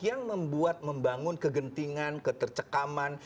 yang membuat membangun kegentingan ketercekaman